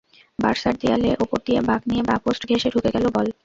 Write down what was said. বার্সার দেয়ালের ওপর দিয়ে বাঁক নিয়ে বাঁ পোস্ট ঘেঁষে ঢুকে গেল বল।